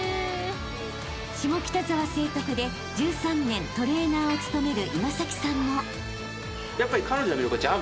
［下北沢成徳で１３年トレーナーを務める］